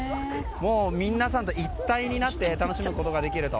皆さんと一体になって楽しむことができると。